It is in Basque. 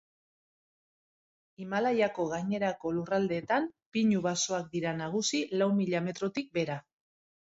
Himalaiako gainerako lurraldeetan pinu basoak dira nagusi lau mila metrotik behera.